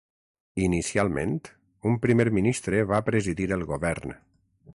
Inicialment, un primer ministre va presidir el Govern.